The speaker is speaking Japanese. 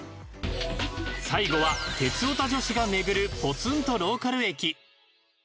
最後は鉄オタ女子がめぐるポツンとローカル駅。